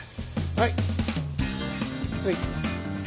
はい。